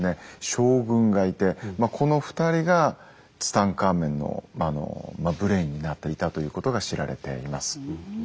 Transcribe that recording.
将軍がいてこの２人がツタンカーメンのブレインになっていたということが知られています。